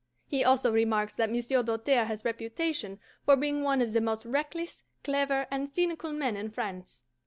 He also remarks that Monsieur Doltaire has reputation for being one of the most reckless, clever, and cynical men in France.